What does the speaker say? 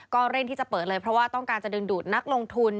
เร่งที่จะเปิดเลยเพราะว่าต้องการจะดึงดูดนักลงทุน